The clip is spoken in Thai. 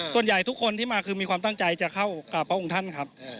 ส่วนใหญ่ทุกคนที่มาคือมีความตั้งใจจะเข้ากับพระองค์ท่านครับ